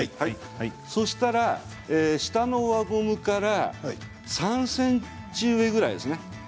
そしたら下の輪ゴムから３ｃｍ上ぐらいですね。